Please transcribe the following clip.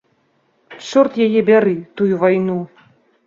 Чорт яе бяры, тую вайну!